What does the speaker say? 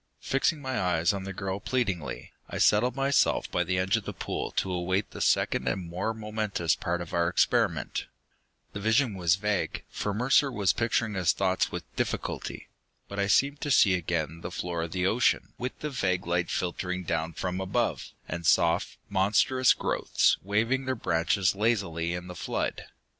Fixing my eyes on the girl pleadingly, I settled myself by the edge of the pool to await the second and more momentous part of our experiment. The vision was vague, for Mercer was picturing his thoughts with difficulty. But I seemed to see again the floor of the ocean, with the vague light filtering down from above, and soft, monstrous growths waving their branches lazily in the flood.